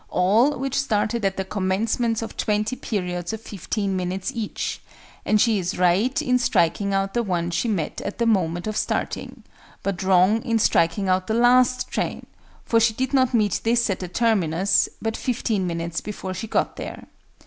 _, all which started at the commencements of 20 periods of 15 minutes each; and she is right in striking out the one she met at the moment of starting; but wrong in striking out the last train, for she did not meet this at the terminus, but 15 minutes before she got there.